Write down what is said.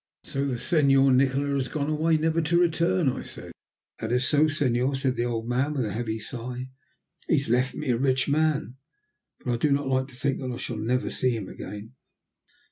"So the Senor Nikola has gone away never to return?" I said. "That is so, Senor," said the old man with a heavy sigh. "He has left me a rich man, but I do not like to think that I shall never see him again."